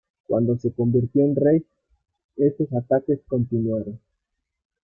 Cuando se convirtió en rey, estos ataques continuaron.